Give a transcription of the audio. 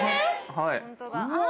・はい。